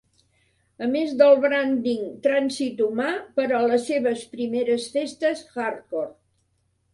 A més del branding "Trànsit Humà" per a les seves primeres festes Hardcore.